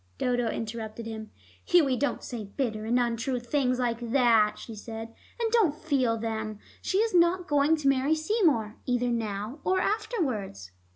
Dodo interrupted him. "Hughie, don't say bitter and untrue things like that," she said. "And don't feel them. She is not going to marry Seymour, either now or afterwards."